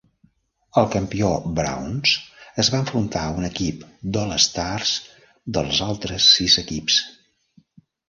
El campió Browns es va enfrontar a un equip d'All-Stars dels altres sis equips.